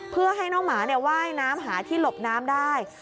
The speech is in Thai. เพื่อให้น้องหมาว่ายน้ำหาที่หลบน้ำได้